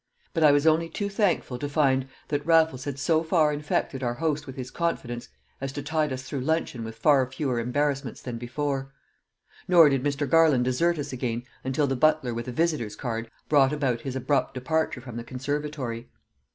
But I was only too thankful to find that Raffles had so far infected our host with his confidence as to tide us through luncheon with far fewer embarrassments than before; nor did Mr. Garland desert us again until the butler with a visitor's card brought about his abrupt departure from the conservatory.